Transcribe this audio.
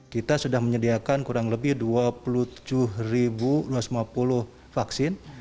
kita sudah menyediakan kurang lebih dua puluh tujuh dua ratus lima puluh vaksin